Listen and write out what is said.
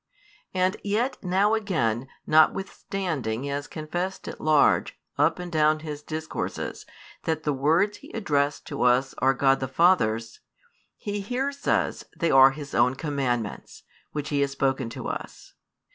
And yet now again, notwithstanding He has confessed at large, up and down His discourses, that the words He addressed to us are God the Father's, He here says they are His own commandments, which He has spoken to us.